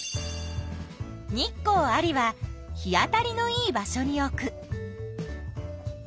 「日光あり」は日当たりのいい場所に置く。